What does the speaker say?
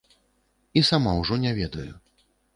І сама ўжо не ведаю.